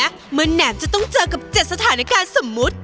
เมื่อแหนมจะต้องเจอกับ๗สถานการณ์สมมุติ